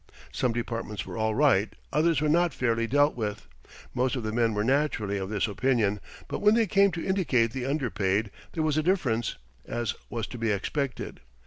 Some departments were all right, others were not fairly dealt with. Most of the men were naturally of this opinion, but when they came to indicate the underpaid, there was a difference, as was to be expected.